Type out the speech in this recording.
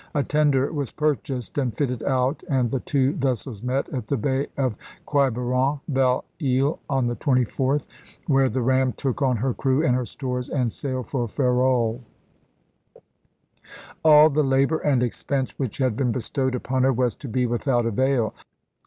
A tender was purchased and fitted out and the two vessels met at the Bay of Quiberon, Belle Isle, on the 24th, where the ram took on her crew and her stores and sailed for Ferrol. All the labor and expense which had been bestowed upon her was to be without avail.